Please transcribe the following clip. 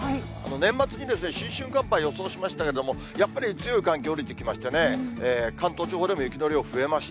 年末に新春寒波予想しましたけれども、やっぱり強い寒気下りてきましてね、関東地方でも雪の量、増えました。